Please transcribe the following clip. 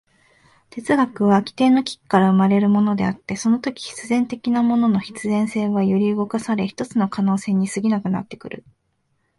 哲学は基底の危機から生まれるのであって、そのとき必然的なものの必然性は揺り動かされ、ひとつの可能性に過ぎなくなってくる。